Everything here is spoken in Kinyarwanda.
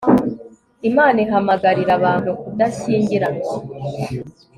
imana ihamagarira abantu kudashyingiranwa